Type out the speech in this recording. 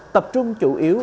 tập trung chủ yếu